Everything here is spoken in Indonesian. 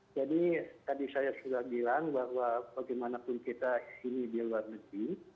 jadi tadi saya sudah bilang bahwa bagaimanapun kita di luar negeri